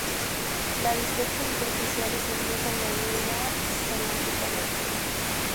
La dislexia superficial es incluso medida semánticamente.